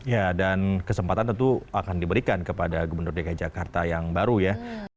ya dan kesempatan tentu akan diberikan kepada gubernur dki jakarta yang baru ya